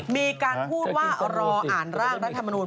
มีการพูดว่ารออ่านร่างรัฐมนูล